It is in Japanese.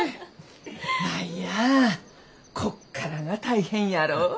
舞やこっからが大変やろう。